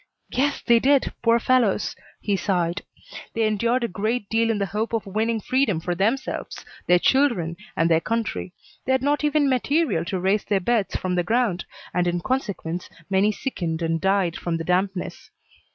"Yes, they did, poor fellows!" he sighed. "They endured a great deal in the hope of winning freedom for themselves, their children, and their country. They had not even material to raise their beds from the ground, and in consequence many sickened and died from the dampness."